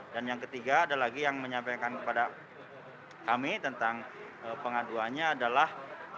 dan yang ketiga ada lagi yang menyampaikan kepada kami tentang pengaduannya adalah